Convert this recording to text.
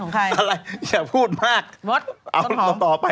ต้นหอมกับศรานของใครศรานอะไรอย่าพูดมาก